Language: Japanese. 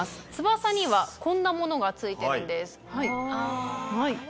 翼にはこんなものが付いてるんです。